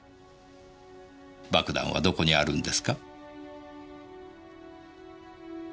爆弾はどこにあるんですか？